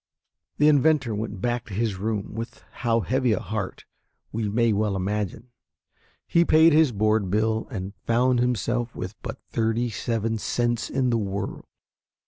The inventor went back to his room, with how heavy a heart we may well imagine. He paid his board bill, and found himself with but thirty seven cents in the world.